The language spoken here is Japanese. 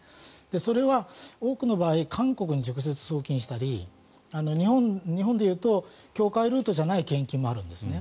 それは多くの場合、韓国に直接送金したり日本でいうと教会ルートじゃない献金もあるんですね。